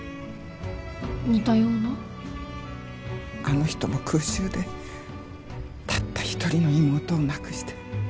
あの人も空襲でたった一人の妹を亡くして。